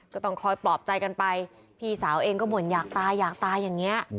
ก็ต้องคอยปลอบใจกันไปพี่สาวเองก็บ่นอยากตายอยากตายอย่างนี้